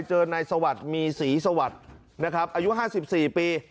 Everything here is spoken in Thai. เจอนายสวัสดิ์มีศรีสวัสดิ์นะครับอายุ๕๔ปี